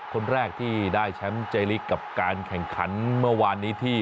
คนแรกที่ได้แชมป์เจลิกกับการแข่งขันเมื่อวานนี้ที่